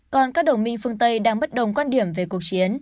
còn các đồng minh phương tây đang bất đồng quan điểm về cuộc chiến